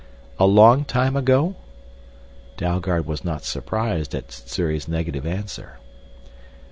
"A long time ago?" Dalgard was not surprised at Sssuri's negative answer.